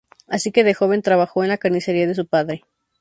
Así que de joven trabajó en la carnicería de su padre.